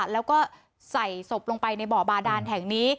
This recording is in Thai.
แล้วก็ใส่ศพลงไปในบ่อบาดานแห่งนี้